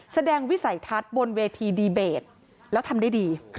วิสัยทัศน์บนเวทีดีเบตแล้วทำได้ดี